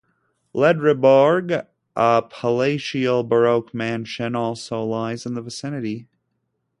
Ledreborg, a palatial Baroque mansion, also lies in the vicinity.